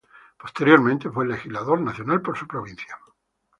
Posteriormente fue legislador nacional por su provincia.